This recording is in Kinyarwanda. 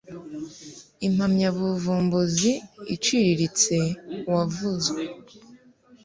Impamyabuvumbuzi iciriritse wavuzwe